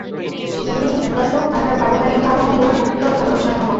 যিনি উপাসক, তাঁহার ব্যবহারিক ধর্ম হইল ভক্তি ও ভালবাসার ক্ষমতা।